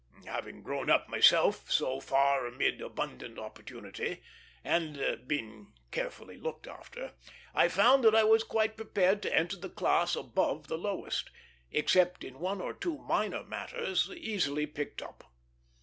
Having grown up myself so far amid abundant opportunity, and been carefully looked after, I found that I was quite prepared to enter the class above the lowest, except in one or two minor matters, easily picked up.